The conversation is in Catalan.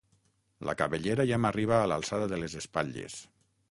La cabellera ja m'arriba a l'alçada de les espatlles.